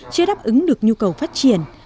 chưa đáp ứng được nhu cầu phát triển